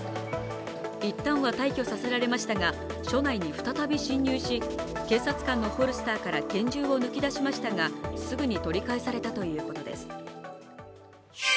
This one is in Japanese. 一旦は退去させられましたが、署内に再び侵入し警察官のホルスターから拳銃を抜き出しましたがすぐに取り返されたということです。